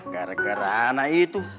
gara gara anak itu